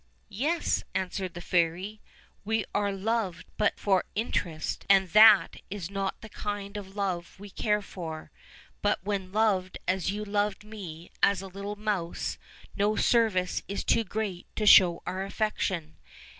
"Yes," answered the fairy; "we are loved but for in terest, and that is not the kind of love we care for, but when loved as you loved me, as a little mouse, no service is too great to show our affection.